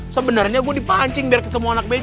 sebenarnya gue dipancing biar ketemu anak bc